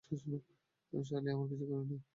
সালি, আমরা কিছু করিনি।